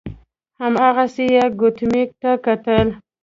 هماغسې يې ګوتميو ته کتل.